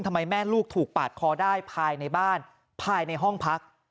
ทำไมแม่ลูกถูกปาดคอได้ภายในบ้านภายในห้องพัก